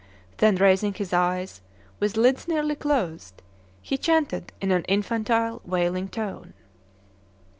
Then raising his eyes, with lids nearly closed, he chanted in an infantile, wailing tone.